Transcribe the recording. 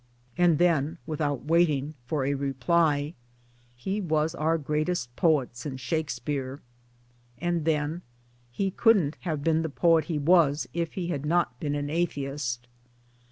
And then without waiting for a reply : "He was our greatest poet since Shakespeare." And then :" He couldn't have been the poet he was if he had not been an Atheist."